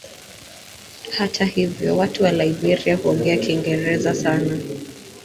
Hata hivyo watu wa Liberia huongea Kiingereza sana.